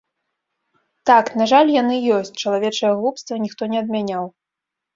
Так, на жаль, яны ёсць, чалавечае глупства ніхто не адмяняў.